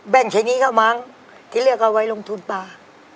แบ่งแค่นี้ก็มั้งที่เลือกเอาไว้ลงทุนป้า